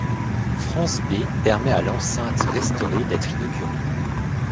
France B permet à l'enceinte restaurée d'être inaugurée.